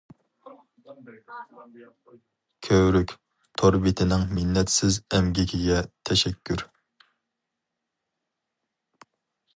كۆۋرۈك تور بېتىنىڭ مىننەتسىز ئەمگىكىگە تەشەككۈر.